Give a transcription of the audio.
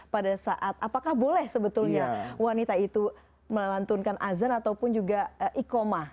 pada saat apakah boleh sebetulnya wanita itu melantunkan azan ataupun juga ikomah